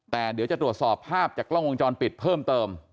แต่เดี๋ยวจะตรวจสอบภาพจากกล้องวงจรปิดเพิ่มเติม